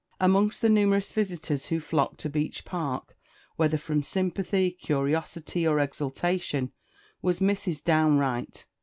Amongst the numerous visitors who flocked to Beech Park, whether from sympathy, curiosity, or exultation, was Mrs. Downe Wright.